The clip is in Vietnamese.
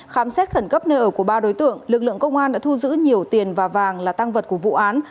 khám xét khẩn cấp nơi ở của ba đối tượng lực lượng công an đã thu giữ nhiều tiền và vàng là tăng vật của vụ án